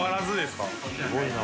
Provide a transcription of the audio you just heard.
すごいな。